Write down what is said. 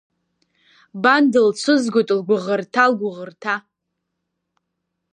Бан дылцәызгоит лгәыӷырҭа, лгәыӷырҭа!